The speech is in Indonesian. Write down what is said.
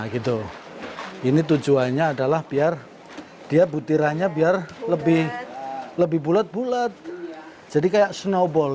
gitu ini tujuannya adalah biar dia butirannya biar lebih lebih bulat bulat jadi kayak snowball